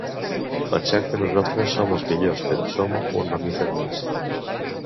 Pensem que nosaltres som els millors, però som un mamífer més.